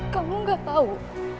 kamu gak tau